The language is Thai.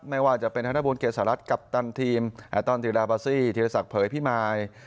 ไม่ว่าจะเป็นธนบุญเกษารัฐกัปตันทีมแอตอนติลาบาซี่ธีรศักดิเผยพิมาย